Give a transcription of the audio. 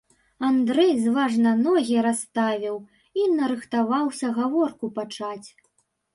Андрэй зважна ногі расставіў і нарыхтаваўся гаворку пачаць.